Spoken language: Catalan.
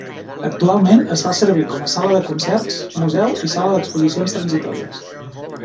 Actualment es fa servir com Sala de Concerts, Museu i Sala d'exposicions transitòries.